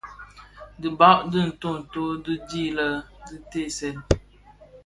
Dhibag di ntööto di dhi diteesèn.